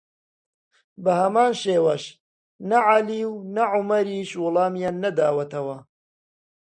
بەهەمان شێوەش نە عەلی و نە عومەریش وەڵامیان نەداوەتەوە